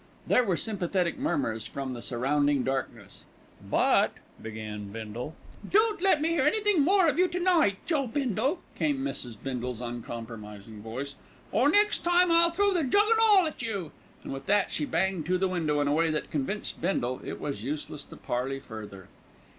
There were sympathetic murmurs from the surrounding darkness. "But " began Bindle. "Don't let me 'ear anything more of you to night, Joe Bindle," came Mrs. Bindle's uncompromising voice, "or next time I'll throw the jug an' all at you," and with that she banged to the window in a way that convinced Bindle it was useless to parley further.